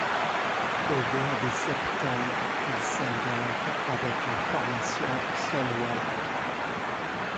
Au mois de septembre, il s'engage avec la formation Sunweb.